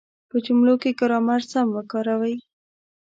په جملو کې ګرامر سم وکاروئ.